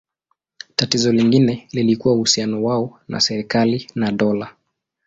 Tatizo lingine lilikuwa uhusiano wao na serikali na dola.